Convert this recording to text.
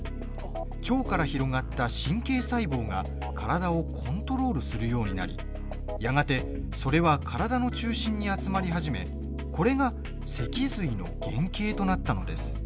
腸から広がった神経細胞が体をコントロールするようになりやがて、それは体の中心に集まり始めこれが脊髄の原型となったのです。